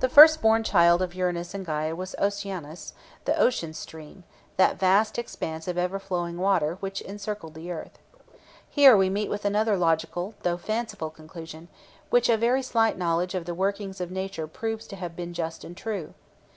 The first born child of Uranus and Gæa was Oceanus, the ocean stream, that vast expanse of ever flowing water which encircled the earth. Here we meet with another logical though fanciful conclusion, which a very slight knowledge of the workings of nature proves to have been just and true.